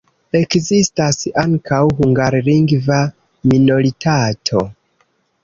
Ekzistas ankaŭ hungarlingva minoritato.